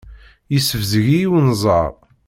Yessebzeg-iyi unẓar.